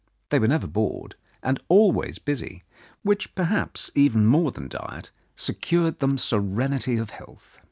They were never bored and always busy, which, perhaps, even more than diet, secured them serenity of health.